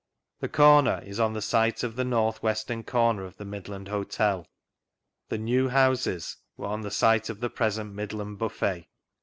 The " comer " is on the site of the north western comer of the Midland Hotel, The "new houses " were on the site of the present Midland Buffet.